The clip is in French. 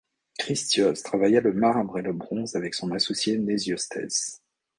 Critios travailla le marbre et le bronze avec son associé Nésiostès.